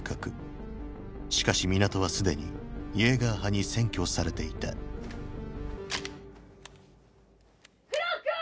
しかし港は既にイェーガー派に占拠されていた・フロック！！